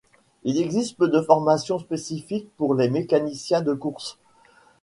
Il existe peu de formations spécifiques pour les mécaniciens de course.